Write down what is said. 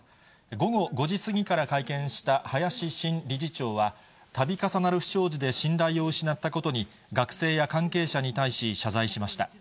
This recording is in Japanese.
午後５時過ぎから会見した林新理事長は、たび重なる不祥事で信頼を失ったことに、学生や関係者に対し謝罪しました。